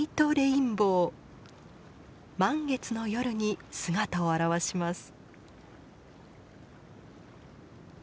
満月の夜に姿を現します。